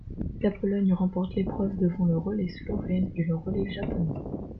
La Pologne remporte l'épreuve devant le relais slovène et le relais japonais.